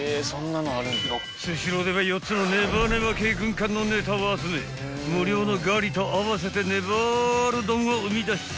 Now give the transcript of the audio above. ［スシローでは４つのねばねば系軍艦のネタを集め無料のガリと合わせてねばーる丼を生み出した］